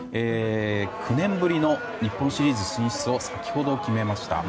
９年ぶりの日本シリーズ進出を先ほど、決めました。